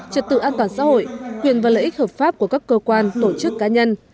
trật tự an toàn xã hội quyền và lợi ích hợp pháp của các cơ quan tổ chức cá nhân